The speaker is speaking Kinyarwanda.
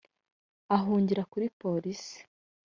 ahungira kuri Polisi